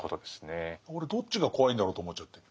俺どっちが怖いんだろうと思っちゃって。